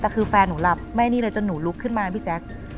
แต่คือแฟนหนูหลับไม่นี่เลยจนหนูลุกขึ้นมาพี่แจ๊ค